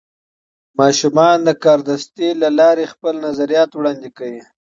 ماشومان د کاردستي له لارې خپل نظریات وړاندې کوي.